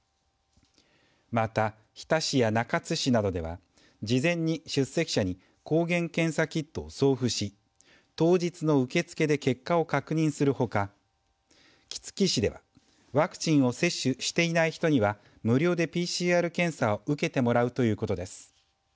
また、日田市や中津市などでは事前に出席者に抗原検査キットを送付し当日の受付で結果を確認するほか杵築市ではワクチンを接種していない人には無料でＰＣＲ検査を受けてもらうということです。